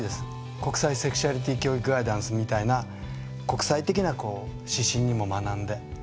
「国際セクシュアリティ教育ガイダンス」みたいな国際的な指針にも学んで。